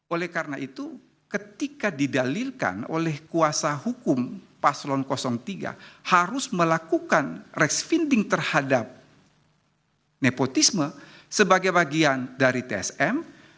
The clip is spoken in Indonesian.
oleh karena itu ketika didalilkan oleh kuasa hukum paslon tiga harus melakukan respending terhadap nepotisme sebagai bagian dari tsm